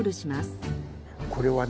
これはね